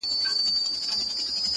چي دا مي څرنگه او چاته سجده وکړه _